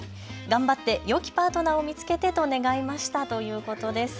頑張ってよきパートナーを見つけてと願いましたということです。